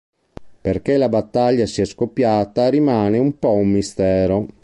Perché la battaglia sia scoppiata rimane un po' un mistero.